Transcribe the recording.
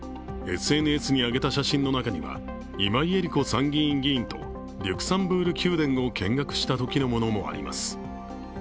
ＳＮＳに上げた写真の中には今井絵理子参院議員とリュクサンブール宮殿を見学したときのものもあります。